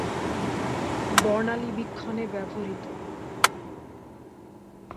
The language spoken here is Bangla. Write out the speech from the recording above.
বর্ণালীবীক্ষণে ব্যবহৃত।